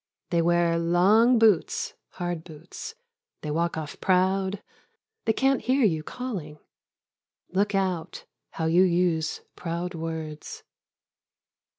They wear long boots, hard boots; they walk off proud ; they can't hear j ou calling — Look out how you use proud words.